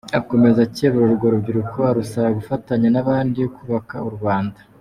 Akomeza akebura urwo rubyiruko arusaba gufatanya n’abandi kubaka u Rwanda.